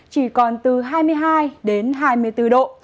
chỉ còn từ hai mươi hai đến hai mươi bốn độ